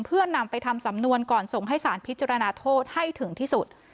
เพื่อนำไปทำสำนวนก่อนส่งให้สารพิจารณาโทษให้ถึงที่สุด